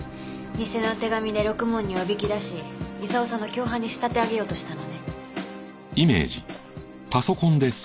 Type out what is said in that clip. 偽の手紙でろくもんにおびき出し功さんの共犯に仕立て上げようとしたのね。